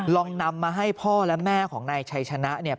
ลองนำมาให้พ่อและแม่ของนายชัยชนะเนี่ย